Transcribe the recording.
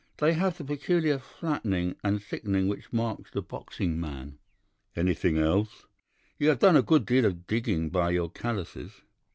They have the peculiar flattening and thickening which marks the boxing man.' "'Anything else?' "'You have done a good deal of digging by your callosities.